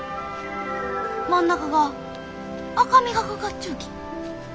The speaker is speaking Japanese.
真ん中が赤みがかかっちゅうき。